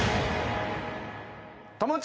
友近。